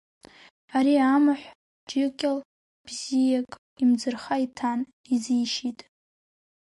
Ари амаҳә џьыкьал бзиак имӡырха иҭан, изишьит.